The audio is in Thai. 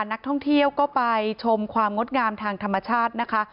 นักท่องเที่ยวก็ไปชมความงดงามทางธรรมชาตินะคะ